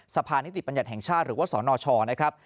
สภานิติบัญญัติแห่งชาติหรือว่าสนชนะครับ